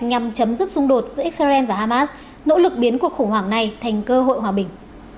nhằm chấm dứt xung đột giữa israel và hamas nỗ lực biến cuộc khủng hoảng này thành cơ hội hòa bình